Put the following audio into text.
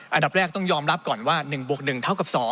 อันดับแรกต้องยอมรับก่อนว่า๑บวก๑เท่ากับ๒